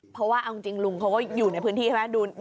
เพราะว่าเอาจริงลุงเขาก็อยู่ในพื้นที่ใช่ไหม